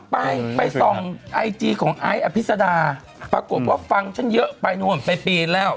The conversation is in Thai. ไปไปส่องไอจีของไอซ์อภิษดาปรากฏว่าฟังฉันเยอะไปนู่นไปปีนแล้ว